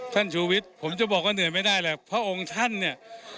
ท่านชุวิตผมจะบอกว่าเหนื่อยไม่ได้เลยเพราะองค์ท่านเนี่ย